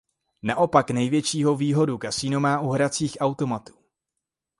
Naopak největší výhodu kasino má u hracích automatů.